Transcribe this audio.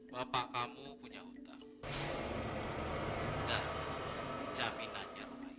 bapak kamu punya hutang dan jaminannya rumah ini